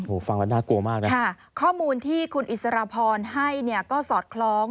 โอ้โหฟังแล้วน่ากลัวมากนะค่ะข้อมูลที่คุณอิสรพรให้เนี่ยก็สอดคล้อง